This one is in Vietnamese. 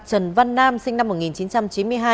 trần văn nam sinh năm một nghìn chín trăm chín mươi hai